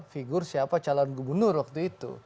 figur siapa calon gubernur waktu itu